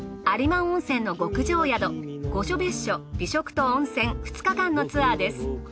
有馬温泉の極上宿御所別墅美食と温泉２日間のツアーです。